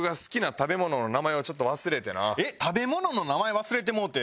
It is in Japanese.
食べ物の名前忘れてもうて。